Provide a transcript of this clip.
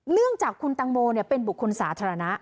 เนื่องจากคุณตังโมเป็นบุคคลสาธารณะ